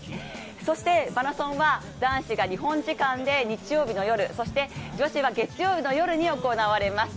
そして、マラソンは男子が日本時間で日曜日の夜、そして女子が月曜日の夜に行われます。